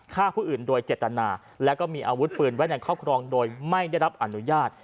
ฆ่าผู้อื่นโดยเจตนาและก็มีอาวุธปืนไว้ในครอบครองโดยไม่ได้รับอนุญาต